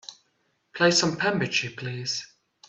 Play some pambiche please